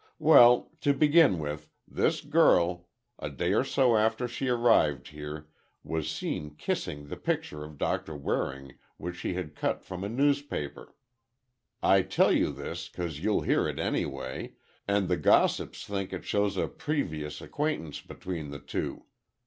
Well, to begin with, this girl, a day or so after she arrived here was seen kissing the picture of Doctor Waring which she had cut from a newspaper. I tell you this, 'cause you'll hear it anyway, and the gossips think it shows a previous acquaintance between the two.